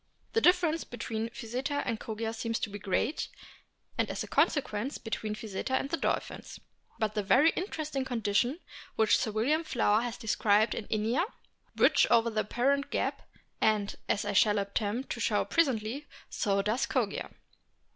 The difference between Physeter and Kogia seems to be great, and as a consequence between Physeter and the dolphins. But the very interesting conditions which Sir William Flower has described in Inia bridge over the apparent gap, and, as I shall attempt to show presently, so does Kogia.